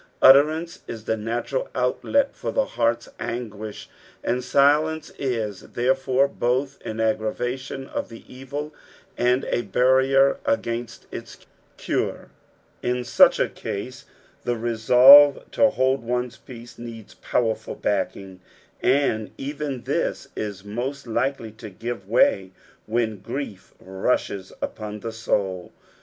Utterance is the natural outlet for the heart's anguish, and silence is, therefore, both au aggravation of the evil and a barrier against its cure. In such & case the resolve to hold one's peace needs powerful backing, and even this is most likely to give way when grief nisbes upon the soul.